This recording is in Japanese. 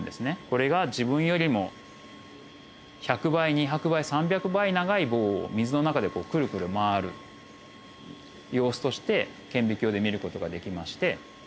これが自分よりも１００倍２００倍３００倍長い棒を水の中でクルクル回る様子として顕微鏡で見る事ができまして。